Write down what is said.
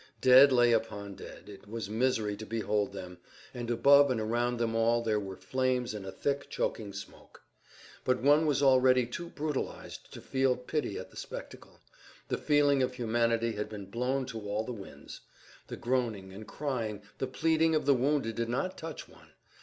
Dead lay upon dead, it was misery to behold them, and above and around them all there were flames and a thick, choking smoke. But one was already too brutalized to feel pity at the spectacle; the feeling of humanity had been blown to all the winds. The groaning and crying, the pleading of the wounded did not touch one.